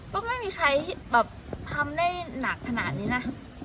ก็ไม่มีใครแบบทำได้หนักขนาดนี้นะ